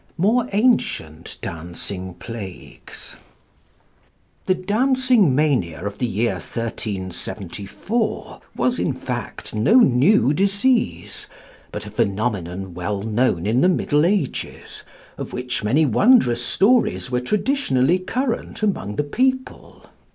4 MORE ANCIENT DANCING PLAGUES The Dancing Mania of the year 1374 was, in fact, no new disease, but a phenomenon well known in the Middle Ages, of which many wondrous stories were traditionally current among the people.